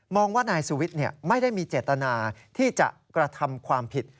ว่านายสุวิทย์ไม่ได้มีเจตนาที่จะกระทำความผิด